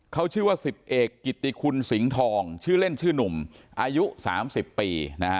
เขาชื่อว่า๑๐เอกกิติคุณสิงห์ทองชื่อเล่นชื่อหนุ่มอายุ๓๐ปี